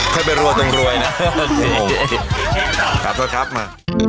แค่ไปรัวจงรวยนะ